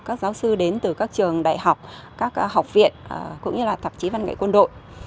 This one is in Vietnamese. các giáo sư đến từ các trường đại học các học viện cũng như là tạp chí văn nghệ quân đội